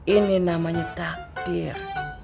ini namanya takdir